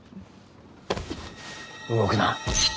動くな。